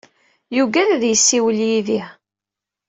Yugad ad yessiwel yid-i.